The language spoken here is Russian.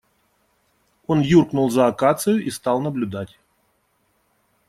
Он юркнул за акацию и стал наблюдать.